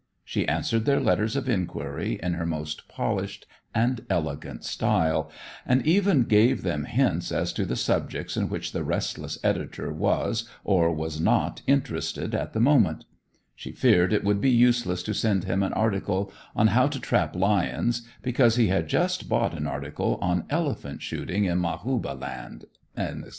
She answered their letters of inquiry in her most polished and elegant style, and even gave them hints as to the subjects in which the restless editor was or was not interested at the moment: she feared it would be useless to send him an article on "How to Trap Lions," because he had just bought an article on "Elephant Shooting in Majuba Land," etc.